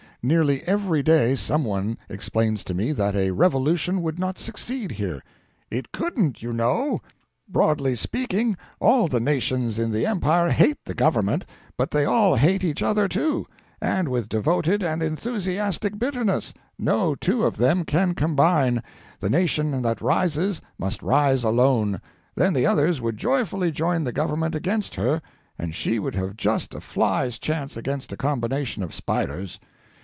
Nearly every day some one explains to me that a revolution would not succeed here. 'It couldn't, you know. Broadly speaking, all the nations in the empire hate the Government but they all hate each other too, and with devoted and enthusiastic bitterness; no two of them can combine; the nation that rises must rise alone; then the others would joyfully join the Government against her, and she would have just a fly's chance against a combination of spiders.